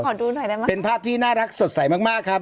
ดูหน่อยได้ไหมเป็นภาพที่น่ารักสดใสมากมากครับ